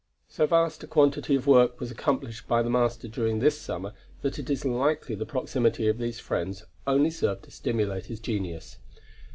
So vast a quantity of work was accomplished by the master during this summer, that it is likely the proximity of these friends only served to stimulate his genius.